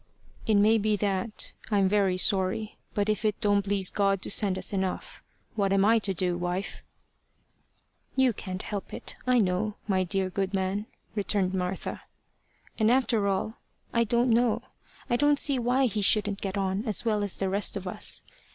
"It may be that. I'm very sorry. But if it don't please God to send us enough, what am I to do, wife?" "You can't help it, I know, my dear good man," returned Martha. "And after all I don't know. I don't see why he shouldn't get on as well as the rest of us.